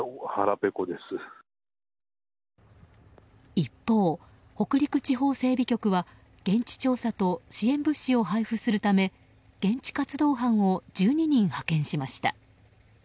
一方、北陸地方整備局は現地調査と支援物資を配布するため現地活動班を１２人派遣しました。